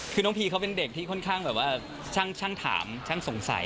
คือน้องพีเขาเป็นเด็กที่ค่อนข้างแบบว่าช่างถามช่างสงสัย